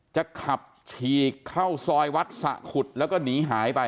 จะขับลงขับขี่เข้าซอยวัดศหุดแล้วก็หนีหายไป